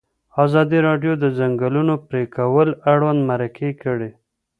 ازادي راډیو د د ځنګلونو پرېکول اړوند مرکې کړي.